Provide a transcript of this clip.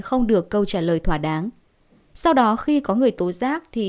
không được câu trả lời thỏa đáng sau đó khi có người tố giác thì